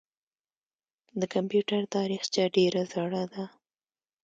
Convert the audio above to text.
د کمپیوټر تاریخچه ډېره زړه ده.